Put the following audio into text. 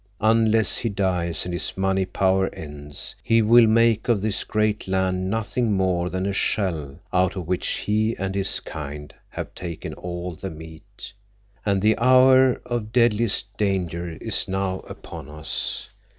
Unless he dies, and his money power ends, he will make of this great land nothing more than a shell out of which he and his kind have taken all the meat. And the hour of deadliest danger is now upon us."